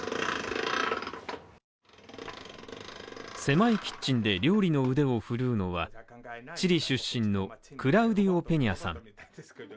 狭いキッチンで料理の腕を振るうのはチリ出身のクラウディオ・ペニャさん。